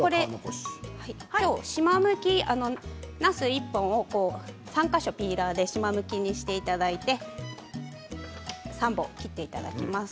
しまむき、なす１本を３か所ピーラーでしまむきにしていただいて３本切っていただきます。